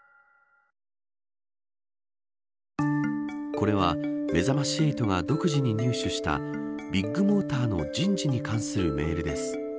これは、めざまし８が独自に入手したビッグモーターの人事に関するメールです。